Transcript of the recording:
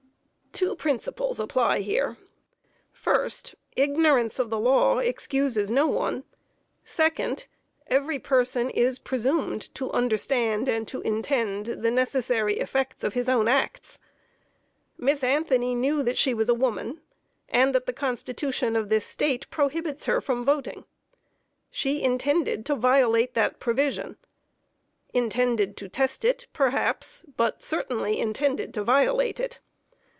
Two principles apply here: First, ignorance of the law excuses no one; second, every person is presumed to understand and to intend the necessary effects of his own acts. Miss Anthony knew that she was a woman, and that the constitution of this State prohibits her from voting. She intended to violate that provision intended to test it, perhaps, but certainly intended to violate it.